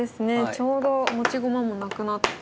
ちょうど持ち駒もなくなって。